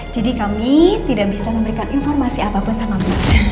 jadi kami tidak bisa memberikan informasi apapun sama mbak